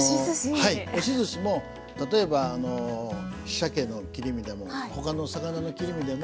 はい押しずしも例えばあのしゃけの切り身でも他の魚の切り身でも。